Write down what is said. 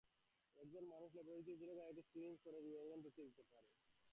এক জন মানুষ ল্যাবরেটরিতে ইঁদুরের গায়ে একটি সিরিঞ্জে করে রিএজেন্ট ঢুকিয়ে দিতে পারে।